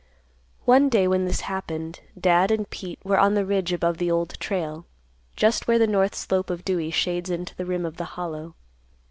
One day when this happened, Dad and Pete were on the ridge above the Old Trail, just where the north slope of Dewey shades into the rim of the Hollow.